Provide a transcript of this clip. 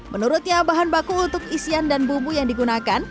menurutnya bahan baku untuk isian dan bumbu yang digunakan